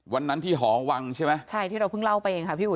วันนั้นที่หอวังใช่ไหมใช่ที่เราเพิ่งเล่าไปเองค่ะพี่อุ๋